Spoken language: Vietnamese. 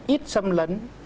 ít xâm lấn